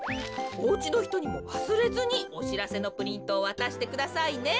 おうちのひとにもわすれずにおしらせのプリントをわたしてくださいね。